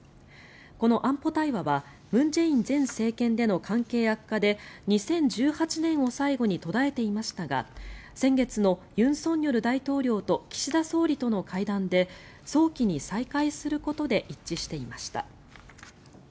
この安保対話は文在寅前政権での関係悪化で２０１８年を最後に途絶えていましたが先月の尹錫悦大統領と岸田総理との会談で早期に再開することで一致していました。